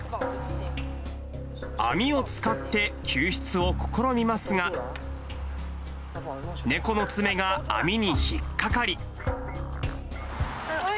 網を使って救出を試みますが、猫の爪が網に引っ掛かり。